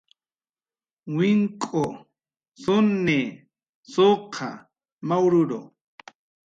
wink'u, suni , suqa , mawruru